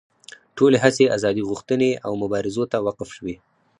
ټولې هڅې ازادي غوښتنې او مبارزو ته وقف شوې.